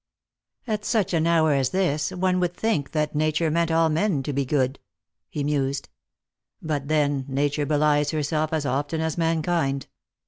" At such an hour as this one would think that Nature meant all men to be good," he mused ;" but, then, Nature belies her self as often as mankind.